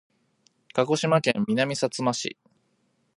鹿児島県南さつま市